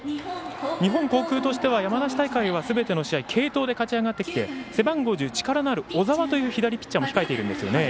日本航空としては山梨大会はすべての試合継投で勝ち上がってきて背番号では力のある小澤という左ピッチャーも控えているんですね。